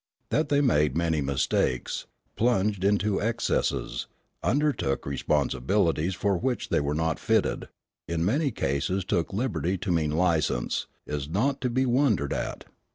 That they made many mistakes, plunged into excesses, undertook responsibilities for which they were not fitted, in many cases took liberty to mean license, is not to be wondered at.